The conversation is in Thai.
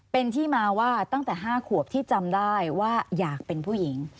เป็นที่มาว่าตั้งแต่๕ขวบที่จำได้ว่าอยากเป็นผู้หญิง